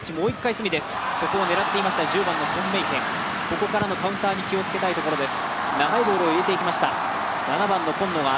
ここからのカウンターに気をつけたいところです。